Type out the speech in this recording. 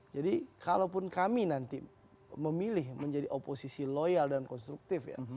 jadi kalaupun kami nanti memilih menjadi oposisi loyal dan konstruktif ya